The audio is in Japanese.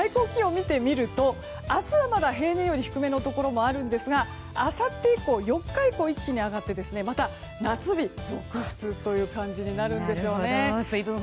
明日はまだ平年より低めのところがあるんですが４日以降一気に上がってまた、夏日続出という感じになるんです。